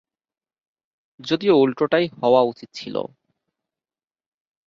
যদিও উল্টোটাই হওয়া উচিত ছিল।